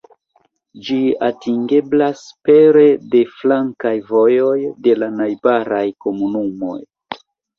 Ĝi atingeblas pere de flankaj vojoj de la najbaraj komunumoj.